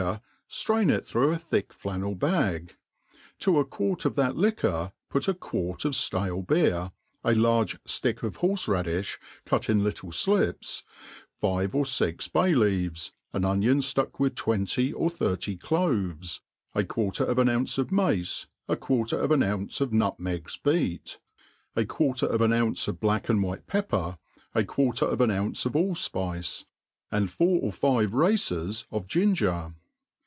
uX ftriinit through a thick flannel bag ; to a quart of that lirjr put a quart of ftale beer, a large fV.ck of horfe radia cut in little flips, five or fix bay leaves, an onion ftuck with Jienty or thirty coves, a quarter of an ounce of Aace, a quar Lr of an i«»ce of nutmegs beat, a quarter of »« ^"^e °f Sack and white pepper, a quarter of an ounce of all fp.ce, and MADE PLAIN AND EASY; jij four Ctf five races of ginger.